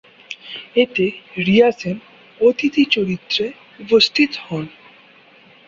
এতে রিয়া সেন অতিথি চরিত্রে উপস্থিত হন।